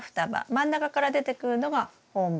真ん中から出てくるのが本葉。